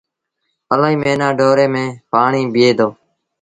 الهيٚ موهيݩآ ڍوري ميݩ پڻيٚ بيٚهي دو۔